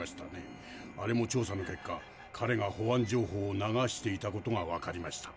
あれも調査の結果彼が保安情報を流していたことがわかりました。